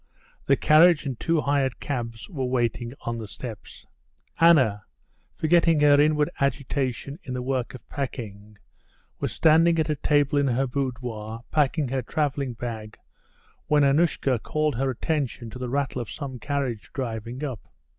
The carriage and two hired cabs were waiting at the steps. Anna, forgetting her inward agitation in the work of packing, was standing at a table in her boudoir, packing her traveling bag, when Annushka called her attention to the rattle of some carriage driving up.